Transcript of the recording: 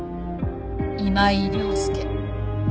今井涼介。